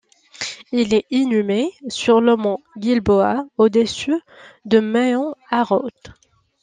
Il est inhumé sur le mont Guilboa, au-dessus de Maayan Harod.